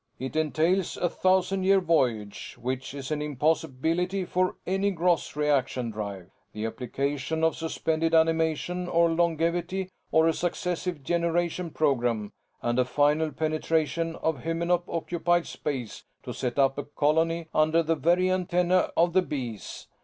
"It entails a thousand year voyage, which is an impossibility for any gross reaction drive; the application of suspended animation or longevity or a successive generation program, and a final penetration of Hymenop occupied space to set up a colony under the very antennae of the Bees.